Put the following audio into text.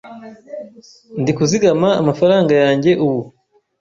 'Ndikuzigama amafaranga yanjye ubu'